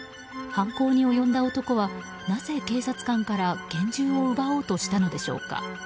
犯行に及んだ男はなぜ警察官から拳銃を奪おうとしたのでしょうか。